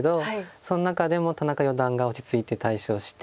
その中でも田中四段が落ち着いて対処して。